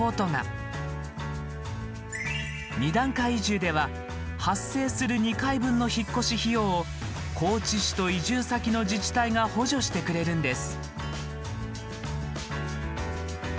二段階移住では発生する２回分の引っ越し費用を高知市と移住先の自治体が補助してくれるんです。